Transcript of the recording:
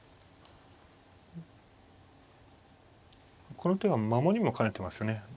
この手が守りも兼ねてますね。